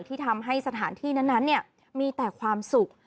ที่ทำให้สถานที่นั้นมีแต่ความสุข